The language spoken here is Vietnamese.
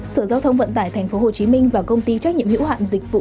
sở giao thông vận tải thành phố hồ chí minh và công ty trách nhiệm hữu hạn dịch vụ